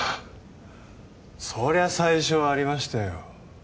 そりゃ最初はありましたよ